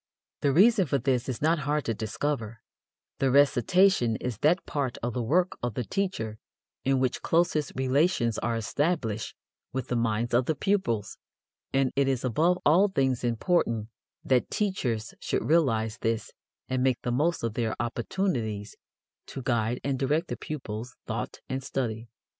The reason for this is not hard to discover; the recitation is that part of the work of the teacher in which closest relations are established with the minds of the pupils, and it is above all things important that teachers should realize this and make the most of their opportunities to guide and direct the pupils' thought and study.